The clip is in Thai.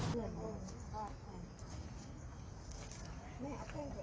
กระทั่งวิธีให้เลย